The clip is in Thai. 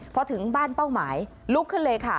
พอถึงบ้านเป้าหมายลุกขึ้นเลยค่ะ